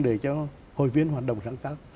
để cho hội viên hoạt động sáng tác